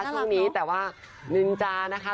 ช่วงนี้แต่ว่านินจานะคะ